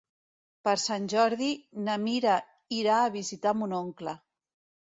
Per Sant Jordi na Mira irà a visitar mon oncle.